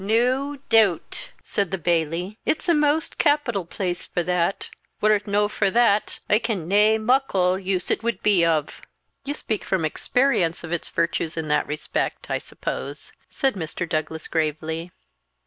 "Nae doot," said the Bailie, "it's a most capital place for that. Were it no' for that I ken nae muckle use it would be of." "You speak from experience of its virtues in that respect, I suppose?" said Mr. Douglas gravely.